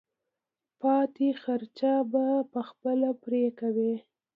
پاتې خرچه به خپله پرې کوې.